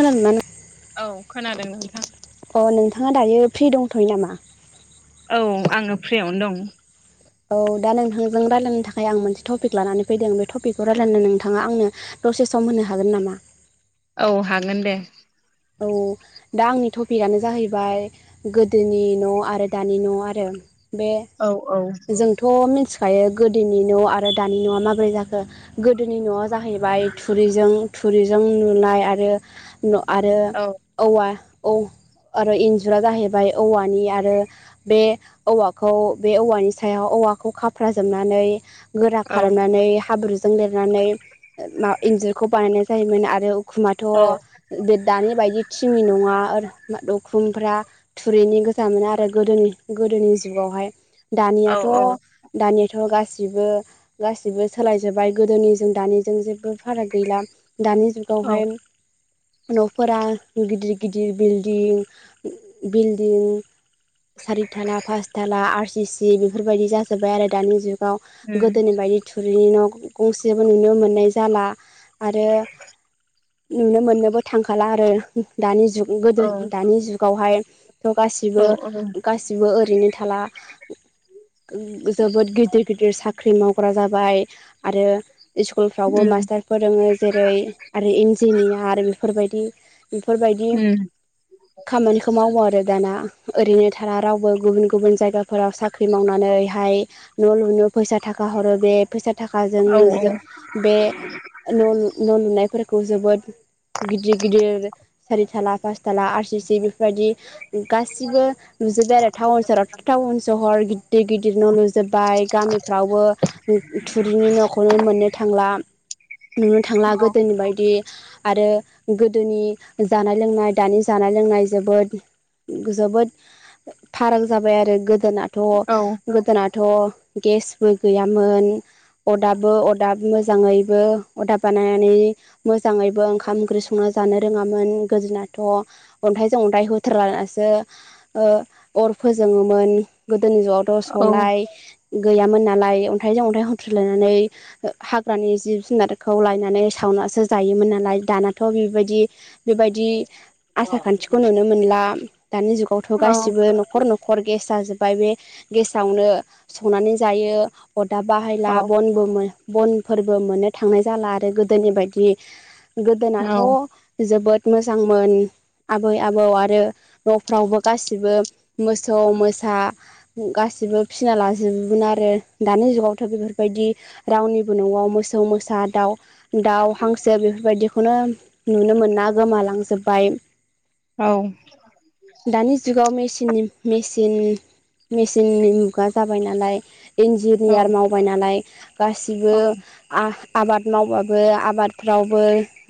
खोनादोंना नों औ खोनादों नोंथां । अ नोंथाङा दायो फ्रि दंथयो नामा? औ आंङो फ्रियावनो दं । औ दा नोंथांजों रायलायनो थाखाय आं मोनसे थफिग लानानै फैदों बे थफिगखौ रायलायनो नोंथाङा आंनो दसे सम होनो हागोन नामा? औ हागोनदे। औ दा आंनि थफिगआनो जाहैबाय गोदोनि न' आरो दानि न' आरो। बे औ औ जोंथ' मिनथि खायो गोदोनि न' आरो दानि न'आ माबोरै जाखो गोदोनि न'आ जाहैबाय थुरिजों। थुरिजों लुनाय आरो न आरो औ औवा औ। आरो इन्जुरा जाहैबाय औवानि आरो बे औवाखौ बे औवानि सायाव औ औवाखौ खाफ्राजोबनानै। गोरा औ खालामनानै हाब्रुजों लेरनानै ओ मा इन्जुरखौ बानायनाय जायोमोन आरो। खुमाथ'। ओ बे दानि बायदि थिंनि नङा ओर मा उखुमफ्रा थुरिनि गोजामोन आरो गोदोनि नि गोदोनि जुगावहाय औ दनियाथ' दानियाथ' गासिबो बो गासिबो सोलायजोबाय गोदोनिजों दानिजों जेबबो। फाराग गैला दानि औ जुगावहाय। न' फोरा गिदिर गिदिर बिल्डिं बिल्डिं। सारिथाला फासथाला आर सि सि बेफोरबायदि जाजोबबायआरो दानि जुगाव उम गोदोनि बायदि थुरिनि न' गंसेबो नुनो मोननायजाला आरो नुनो मोननोबो। दानिजुग औ गोदो दानि जुगावहाय। थ' औ गासिबो गासिबो ओरैनो थाला। गो जोबोद गिदिर गिदिर साख्रिमावग्रा जाबाय आरो। इसकलफ्रावबो उम मास्टार फोरोङो जेरै आरो इन्जिनियार बेफोरबायदि। बिफोरबायदि उम खामानिखौ मावोआरो दाना। ओरैनो थाला रावबो गुबुन गुबुन जायगाफोराव साख्रि मावनानै हाय। न' लुनो फैसा थाखाहरो बे फैसा थाखाजों औ जो बे ओह न'न'लुनायफोरखौ जोबोद। गिदिर गिदिर सारिथाला फासथा आर सि सि बेफोरबायदि। गासिबो नुजोब्बायआरो टावन सेरावथ' टावन सहर गिदिर गिदिर न' लुजो जोबबाय गामिफ्रावबो थुरिनि न'खौनो मोननोथांला। नुनोथांला औ गोदोनि बायदि आरो। गोदोनि जानाय लोंनाय दानि जानाय लोंनाय जोबोद। जोबोद फाराग जाबायआरो औ गोदोनाथ'गोदोनाथ' थ' गेसबो गैयामोन। अदाबो अदाब मोजाङैबो अदाब बानायनानै मोजाङैबो ओंखाम। ओंख्रि संनाजानो रोङामोन गोदोनाथ' अन्थाइजों अन्थाइ होथारलायनासो अर फोजोङोमोन गोदोनि जुगावथ' औ सलाय। गैयामोननालाय अन्थाइजों अन्थाइ हथ्रोदलायनानै ओह हाग्रानि जिब जुनारखौ लायनानै साव सावनासो जायोमोन नालाय दानाथ' बेबायदि बेबायदि। औ आसार खान्थिखौ औ औ नुनोमोनला दानि जुगावथ' गासिबो नखर नखर गेस जाजोब बाय बे गेसावनो संनानैजायो अदाब बाहायला बनबो मोन बन फोरबो मोनो थांनाय जालाआरो गोदोनि बायदि गोदोनाथ' जोबोद। मोजां मोन। आबै आबौ आरो न'फ्रावबो गासिबो मोसौ मोसा गासै [unintelligible] फिसिना लाजोबोमोन आरो दानि जुगावथ' बेफोरबायदि रावनिबो न'आव मोसौ मोसा [unintelligible] दाव हांसो बेफोरबायदिखौनो नुनो मोना गोमालांजोब्बाय [unintelligible] दानि जुगाव मेसें [unintelligible] मेचिन मेचिननि मुगा जाबाय नालाय। इन्जिनियार मावबाय नालाय गासिबो आ आबाद मावबाबो आबादफ्रावबो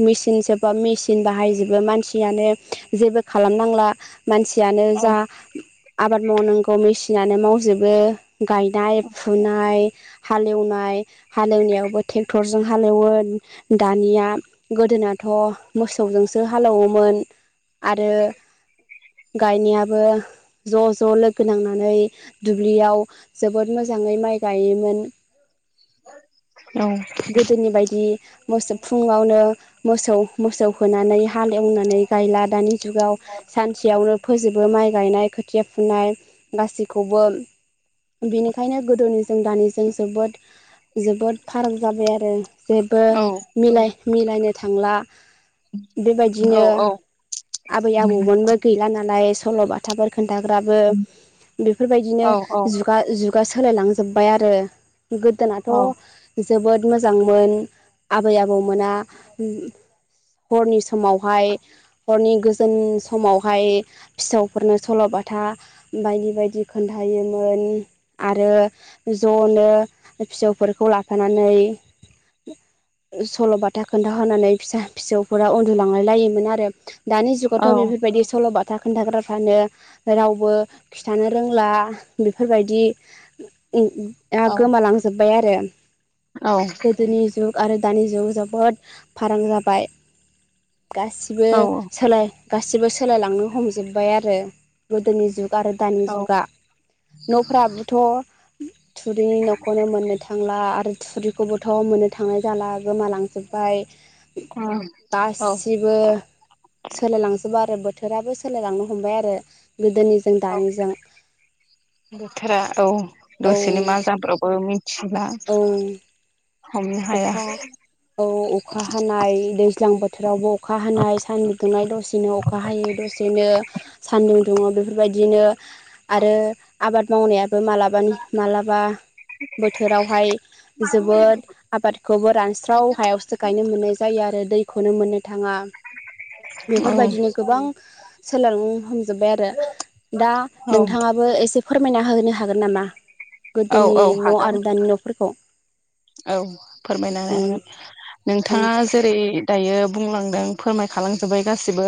मेसें [unintelligible] मेसिन बाहायजोबो मानसियानो जेबो खालामनांला मानसियानो जा औ आबाद मावनांगौ मेसिनानो मावजोबो गायनाय फुनाय हालेवनाय हालेवनायावबो टेक्टर हालौवो दानिया गोदोना थ' मोसौजोंसो हालौवोमोन आरो गायनायाबो ज' ज' लोगो नांनानै दुब्लियाव जोबोद मोजाङै माइ गायोमोन गोदोनि बायदि मोसो फुङावनो मोसौ मोसौ होनानै हाल एवनानै गायला दानि जुगाव सानसेयावनो फोजोबो माइ गायनाय खोथिया फुनाय गासैखौबो बेनिखायनो गोदोनिजों दानिजों जोबोद जोबोद फाराग जाबाय आरो जेबो मिलाय मिलायनो थांला बेबायदिनो आबै आबौमोनबो गैला नालाय सल'बाथाफोर खोन्थाग्राबो बेफोरबायदिनो जुगा जुगा सोलायलांजोब्बाय आरो गोदोनाथ' जोबोद मोजांमोन आबै आबौमोना ओम हरनि समावहाय हरनि गोजोन समावहाय फिसौफोरनो सल'बा बाथा बायदि बायदि खोनथायोमोन आरो ज'नो फिसौफोरखौ लाफानानै सल'बाथा खोन्थाहोनानै फिसा फिसौफोरा उन्दुलांलाय लायोमोन आरो दानि जुगावथ' बेफोरबायदि सल'बाथ था खोन्थाग्राफ्रानो रावबो खिथानो रोंला बेफोरबायदि [unintelligible] गोमालांजोबबाय आरो गोदोनि जुग आरो दानि जुग जोबोद फाराग जाबाय गासिबो सोलाय गासिबो सोलायलांनो हमजोब्बाय आरो गोदोनि जुग आरो दानि जुगा न'फ्राबोथ' थुरिनि न'खौनो मोननो थांला आरो थुरिखौबोथ' मोननो थांनाय जाला गोमालांजोब बाय औ गासिबो सोलायलांजोबो आरो बो थोराबो सोलायलांनो हमबाय आरो गोदोनिजों औ दानिजों बोथोरा औ औ दसेनि मा जाब्र'बो मिन्थि औ हाया अखा औ अखा हानाय दैज्लां बोथोरावबो अखा हानाय सानदुं दुंनाय दसेनो अखा हायो दसेनो सानदुं दुङो बेफोरबायदिनो आरो आबाद मावनाया बो मालाबानि मालाबा बोथोरावहाय जोबोद आबादखौबो रानस्राव हायावसो गायनो मोननाय जायो आरो दैखौनो मोननो थाङा औ बेफोरबायदिनो गोबां सोलों हमजोब्बाय आरो दा औ नोंथाङाबो एसे फोरमायना होनो हागोन नामा औ गोदोनि औ न' हागोन आरो दानि न'फोरखौ औ फोरमायना औ होनो हागोन औ नोंथाङा जेरै- दायो बुंलांदों फोरमायखालांजोब्बाय गासिबो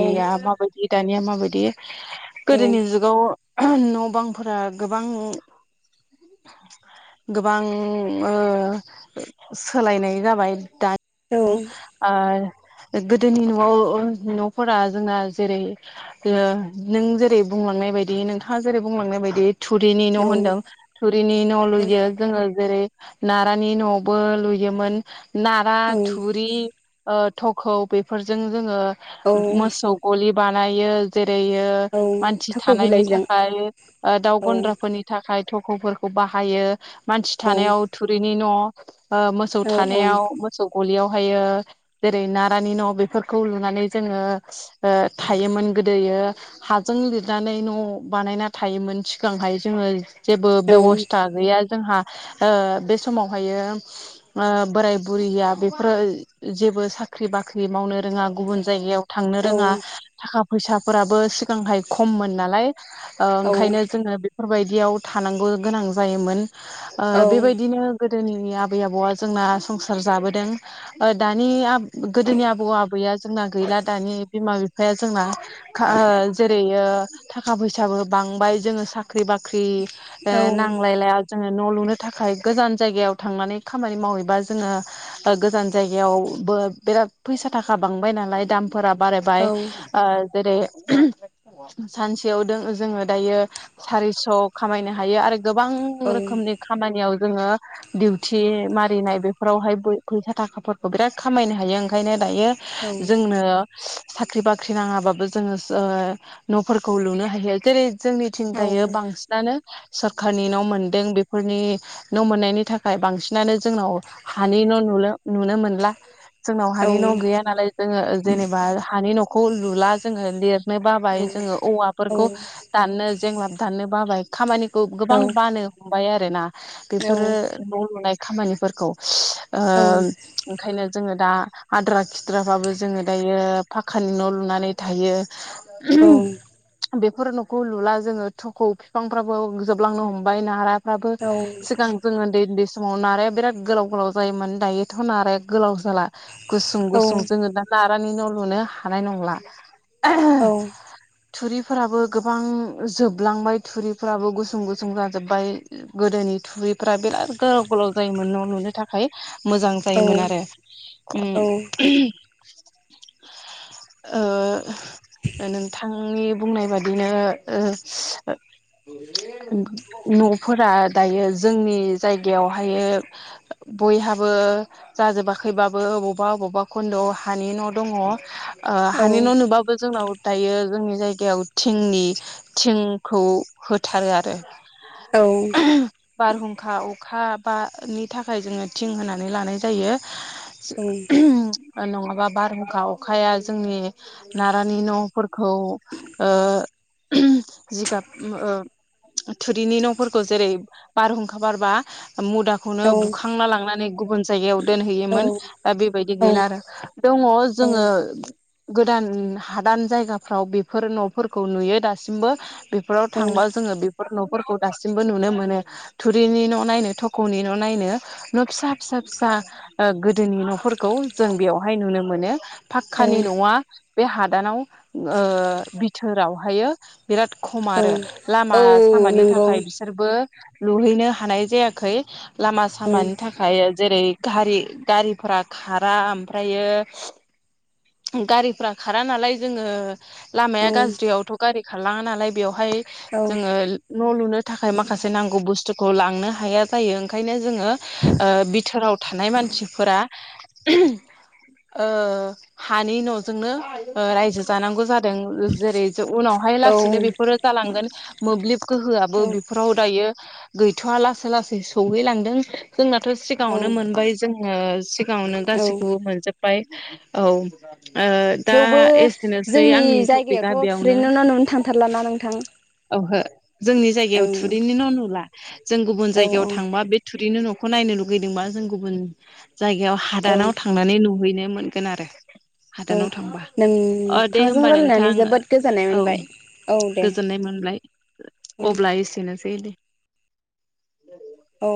औ माबायदि दानिया माबायदि गोदोनि जुगाव [unintelligible] न' बांफोरा गोबां गोबां ओ सोलायनाय जाबाय औ दानि ओ गोदोनि न'आव न'फोरा जोंना जेरै- ओ नों जेरै- बुं लांनाय बायदि नोंथाङा जेरै- बुंलांनाय बायदि थुरिनि न' होनदों औ थुरिनि न' लुयो जोङो जेरै- नारानि न'आवबो लुयोमोन नारा औ थुरि ओ थ'खौ बेफोरजों जोङो औ मोसौ गलि बानायो जे औ [unintelligible] मानसि थाख' थानायनि बिलाइजों थाखाय ओ दाउ औ गन्द्राफोरनि थाखाय थख'फोरखौ बाहायो मानसि औ थानायाव थुरिनि न' ओ मोसौ औ थानायाव मोसौ गलियाव ओमफायो जेरै नारानि न' बेफोरखौ लुनानै जोङो ओ थायोमोन गोदोयो हाजों लिरनानै न' बानायना थायोमोन सिगांहाय जोङो। जेबो औ बेबस्था गैया जोंहा ओ बे समावहायो ओ बोराय बुरैया बेफोरो जेबो साख्रि बाख्रि माव नो रोङा गुबुन जायगायाव थांनो औ रोङा थाखा फैसा फोराबो मोजांहाय खममोन नालाय ओ औ ओंखायनो जोङो बेफोरबायदियाव थांनांगौ गोनां जायोमोन ओ औ बेबायदि गोदोनि आबै आबौआ जोंना संसार जाबोदों। ओ दानि गोदोनि आबौ आबैया जोंना गैला दानि बिमा बिफाया जोंना ओ जेरैयो थाखा फैसाबो बांबाय जोङो साख ख्रि बाख्रि नांलायलाया जोङो न' लुनो थाखाय गोजान जायगायाव थांनानै खामानि मावैबा जोङो गोजान जायगायावबो बिराद फैसा फैसा थाखा बांबाय नालाय दामफोरा बारायबाय ओ जेरै सानसेयाव जोङो दायो सारिस' खामायनो हायो। आरो गोबां रोखोमनि खामानियाव जोङो दिउथि मारिनाय बेफोरावहाय फैसा थाखाफोरखौ बिराद खामायनो हायो। ओंखायनो दायो जोंनो साख्रि बाख्रि नाङाबाबो जोङो सो न'फोरखौ लुनो हायो जेरै जोंनिथिं दायो बांसिनानो सोरखारनि न' मोनदों बेफोरनि न' मोननायनि थाखाय बांसिनानो जोंनाव हानि न' नु नुनो मोनला। जोंनाव हानि न' गैया नालाय जोङो जेनेबा हानि न'खौ लुला जोङो लिरनो बाबाय औवाफोरखौ दाननो जेंलाब दाननो बाबाय खामानिखौ गोबां बानो हमबाय आरो ना बेफोरो न' लुनाय खामानिफोरखौ ओ औ औ ओंखायनो जोङो दा आद्रा खिद्राबाबो जोङो दायो फाखानि न' लुनानै थायो। बे फोर न'खौ लुला जोङो थख' बिफांफ्राबो जोबलांनो हमबाय नाराफ्राबो सिगां जोङो उन्दै उन्दै समाव नाराया बिराद गोलाव गोलाव जायोमोन दायोथ' नाराया गोलाव जाला गुसुं गुसुं जोङो दा नारानि न' लुनो हानाय नंला। आ थुरिफोराबो गोबां जोबलांबाय थुरिफोराबो गुसुं गुसुं जाजोब्बाय गोदोनि थुरिफ्रा बिराद गोलाव गोलाव जायोमोन न' लुनो थाखाय मोजां जायोमोन आरो ।उ ओ नोंथांनि बुंनाय बादिनो ओ न'फोरा दायो जोंनि जायगायावहायो बयहाबो जाजोबाखैबाबो बबावबा बबेबा खन्द'आव हानि न' दङ हानि न' नुबाबो जोंनाव दायो जोंनि जायगायाव थिंनि थिंखौ होथारो आरो औ। बारहुंखा अखा बानि थाखाय जोङो थिं होनानै लानाय जायो। नङाबा बारहुंखा अखाया जोंनि नारानि न' खौ जिगाब थुरिनि न'फोरखौ जेरै बारहुंखा बारबा मुदाखौनो बुखांना लांनानै गुबुन जायगायाव दोनहैयोमोन दा बेबायदि गैला आरो दङ जोङो गोदान हादान जायगाफ्राव बेफोर न'फोरखौ नुयो दासिमबो बेफोराव थांबा जोङो बेफोर न'फोरखौ दासिमबो नुनो मोनो थुरिनि न' नायनो थख'नि न' नायनो न' फिसा फिसा फिसा गोदोनि न'फोरखौ जों बेयावहाय नुनो मोनो फाखकानि नङा बे हादानाव ओ बिथोरावहायो बिराद खम आरो लामा सामानि नंगौ थाखाय बिसोरबो लुहैनो हानाय जायाखै लामा औ सामानि थाखाय जेरै गारि गारिफोरा खारा ओमफ्रायो गारिफ्रा खारा नालाय जोङो औ लामाया गाज्रियावथ' गारि खारलाङा नालाय बेवहाय जोङो न' लुनो थाखाय माखासे नांगौ बुस्थुखौ लांनो हाया जायो ओंखायनो जोङो बिथोराव थानाय मानसिफोरा [unintelligible] [inaudible] ओ हानि न'जोंनो ओ रायजो जानांगौ जादों जादों जेरै उनावहाय लासैनो बेफोरो जालांगोन मोब्लिब गोहोआबो बेफोराव दायो गैथ'वा लासै लासै सहैलांदों जोंनाथ' औ सिगाङावनो मोनबाय जोङो सिगाङावनो औ गासैखौबो मोनजोब औ ओ दा थेवबो एसेनोसै जोंनि आंनि टपिकआ जायगायावथ' बेयावनो थुरिनो न' नुनो थांथारलाना नोंथां ओहो जोंनि जायगायाव ओं थुरिनि न' नुला जों गुबुन औ जायगायाव थांबा बे थुरिनि न'खौ नायनो लुगैदोंबा जों गुबुन जायगायाव औ हादानाव थांनानै नुहैनो मोनगोन आरो औ हादानाव थांबा नों अ दे थांजों होमबा रायलायनानै नोंथां जोबोद गोजोननाय औ मोनबाय औ दे गोजोननाय अब्ला एसेनोसै दे औ